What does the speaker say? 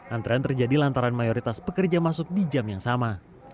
antrean terjadi lantaran mayoritas pekerja masuk di jam yang sama